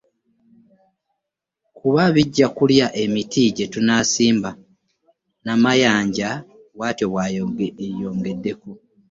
Kuba bijja kulya emiti gyetunasiimba, Namayanja bwatyo bw'ayongeddeko.